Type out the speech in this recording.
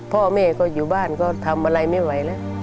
พ่อแม่ก็อยู่บ้านก็ทำอะไรไม่ไหวแล้ว